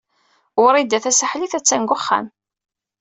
Wrida Tasaḥlit a-tt-an deg wexxam.